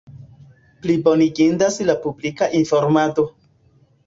Plibonigindas la publika informado.